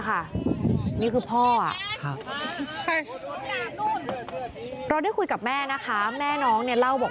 นี่คือพ่อเราได้คุยกับแม่นะคะแม่น้องเนี่ยเล่าบอก